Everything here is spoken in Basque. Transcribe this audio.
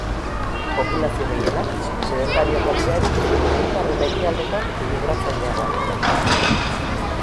Populazio gehienak sedentarioak badira ere, ipar eta ekialdekoak migratzaileagoak dira.